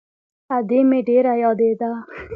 ادې مې ډېره يادېده.